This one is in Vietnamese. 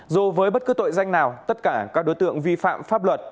dù với bất cứ tội danh nào tất cả các đối tượng vi phạm pháp luật